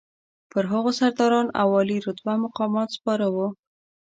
پر هغو سرداران او عالي رتبه مقامات سپاره وو.